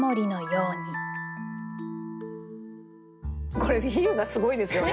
これ比喩がすごいですよね。